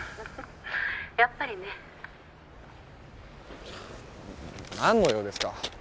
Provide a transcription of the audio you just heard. ☎やっぱりね何の用ですか？